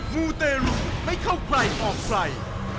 มูเตรุไม่เข้าไฟออกไฟ